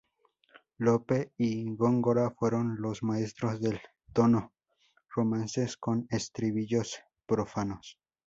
Lope y Góngora fueron los maestros del "tono", romances con estribillos profanos.